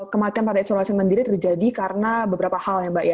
kematian pada isolasi mandiri terjadi karena beberapa hal mbak